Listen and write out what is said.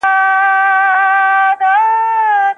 که په ښوونځیو کي کثافات ځای پر ځای سي، نو انګړ نه بدرنګه کیږي.